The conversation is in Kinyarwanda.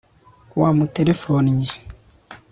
wamuterefonnye